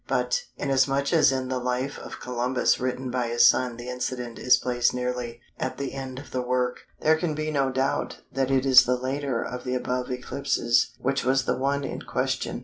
But, inasmuch as in the life of Columbus written by his son the incident is placed nearly at the end of the work, there can be no doubt that it is the later of the above eclipses which was the one in question.